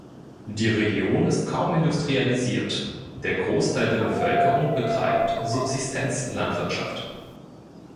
Die Region ist kaum industrialisiert, der Großteil der Bevölkerung betreibt Subsistenzlandwirtschaft.